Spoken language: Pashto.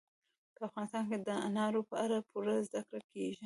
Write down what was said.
په افغانستان کې د انارو په اړه پوره زده کړه کېږي.